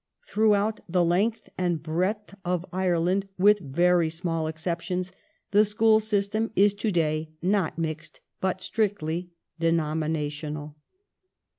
Throughout the length and breadth of Ireland, with very small exceptions, the school system is to day not "mixed" but strictly denominational.